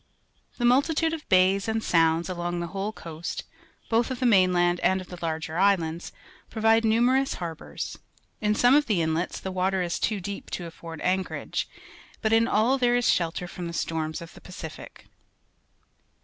The multitude of bays and sounds along the whole coast, both of the mainland and of the larger islands, provide numerous harbours. In some of the inlets the water is too deep to afford anchorage, but in all there is shelter from the storms of the Pacific.